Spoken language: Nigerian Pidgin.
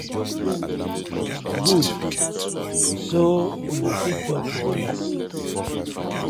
Good so una fit tok for others.